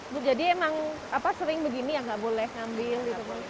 bu jadi emang apa sering begini yang gak boleh ngambil gitu